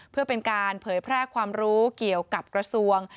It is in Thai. เพื่อเป็นการเผยแพร่ความรู้เกี่ยวกับกระทรวง